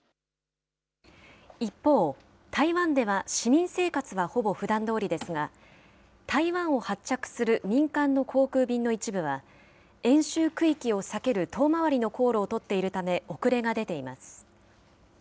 一方、台湾では市民生活はほぼふだんどおりですが、台湾を発着する民間の航空便の一部は、演習区域を避ける遠回りの航路を取っているため、遅れが出ています。